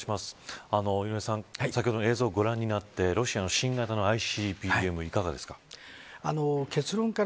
井上さん、先ほどの映像ご覧になってロシアの新型のＩＣＢＭ、いかがですか。